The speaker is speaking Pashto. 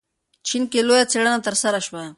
چین کې لویه څېړنه ترسره شوه.